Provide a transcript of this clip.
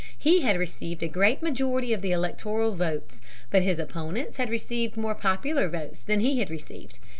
He had received a great majority of the electoral votes. But his opponents had received more popular votes than he had received.